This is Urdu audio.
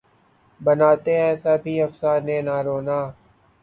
بناتے ہیں سب ہی افسانے نہ رونا